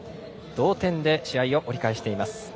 同点で試合を折り返しています。